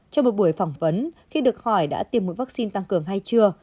trong một buổi phỏng vấn khi được hỏi đã tiêm mũi vaccine tăng cường hay chưa